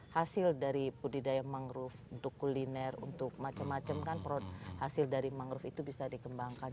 hasil dari budidaya mangrove untuk kuliner untuk macam macam kan produk hasil dari mangrove itu bisa dikembangkan